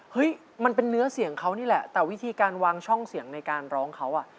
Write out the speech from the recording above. มันเป็นเนื้อเสียงเขานี่แหละแต่วิธีการวางช่องเสียงในการร้องเขาอ่ะ